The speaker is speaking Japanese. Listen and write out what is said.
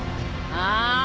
ああ？